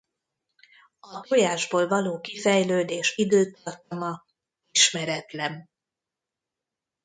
A tojásból való kifejlődés időtartama ismeretlen.